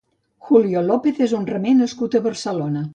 Julio López és un remer nascut a Barcelona.